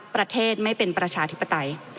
ประเทศไม่เป็นประชาธิปไตย